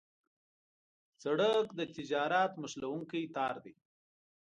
سړک د تجارت نښلونکی تار دی.